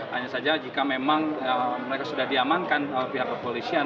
hanya saja jika memang mereka sudah diamankan pihak kepolisian